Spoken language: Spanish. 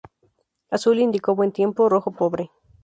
Azul indicó buen tiempo, rojo pobre.